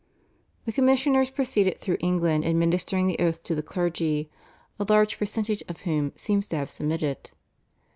The commissioners proceeded through England administering the oath to the clergy, a large percentage of whom seems to have submitted.